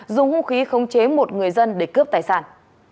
dùng hôn khí khống chế một người dân để cướp tài sản